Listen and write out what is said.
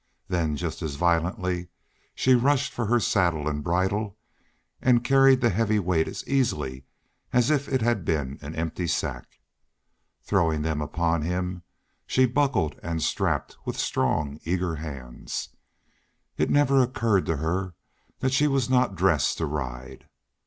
Then just as violently she rushed for her saddle and bridle and carried the heavy weight as easily as if it had been an empty sack. Throwing them upon him, she buckled and strapped with strong, eager hands. It never occurred to her that she was not dressed to ride.